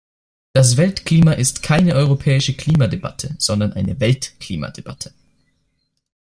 Das Weltklima ist keine europäische Klimadebatte, sondern eine Weltklimadebatte.